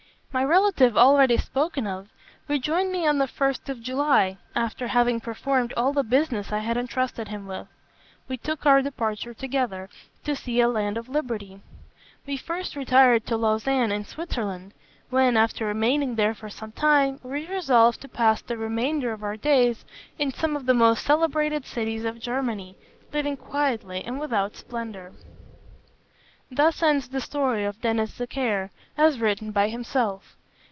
"My relative already spoken of rejoined me on the 1st of July, after having performed all the business I had entrusted him with. We took our departure together, to seek a land of liberty. We first retired to Lausanne, in Switzerland, when, after remaining there for some time, we resolved to pass the remainder of our days in some of the most celebrated cities of Germany, living quietly and without splendour." Thus ends the story of Denis Zachaire, as written by himself.